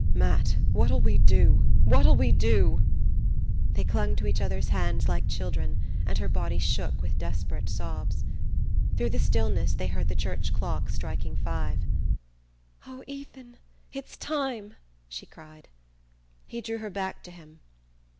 "Matt! What'll we do? What'll we do?" They clung to each other's hands like children, and her body shook with desperate sobs. Through the stillness they heard the church clock striking five. "Oh, Ethan, it's time!" she cried. He drew her back to him.